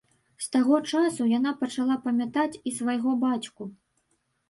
З таго часу яна пачала памятаць і свайго бацьку.